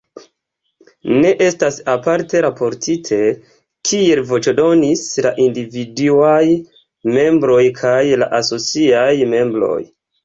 Ne estas aparte raportite, kiel voĉdonis la individuaj membroj kaj la asociaj membroj.